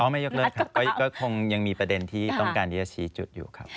ไม่ยกเลิกครับก็คงยังมีประเด็นที่ต้องการที่จะชี้จุดอยู่ครับ